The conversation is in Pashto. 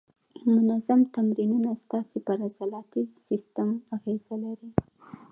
منظم تمرینونه ستاسې پر عضلاتي سیستم اغېزه لري.